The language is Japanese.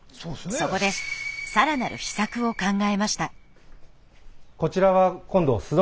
そこでさらなる秘策を考えました。